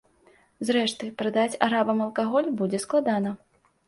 Зрэшты, прадаць арабам алкаголь будзе складана.